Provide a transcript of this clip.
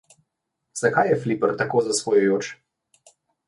Zakaj je fliper tako zasvojujoč?